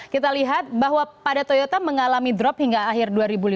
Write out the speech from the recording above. kita lihat bahwa pada toyota mengalami drop hingga akhir dua ribu lima belas